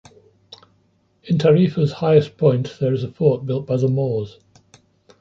In Tarifa’s highest point, there is a fort built by the moors.